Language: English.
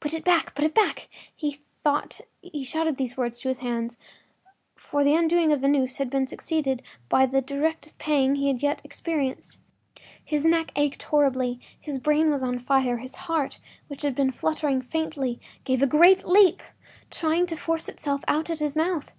“Put it back, put it back!” He thought he shouted these words to his hands, for the undoing of the noose had been succeeded by the direst pang that he had yet experienced. His neck ached horribly; his brain was on fire, his heart, which had been fluttering faintly, gave a great leap, trying to force itself out at his mouth.